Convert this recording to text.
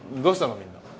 どうしたの？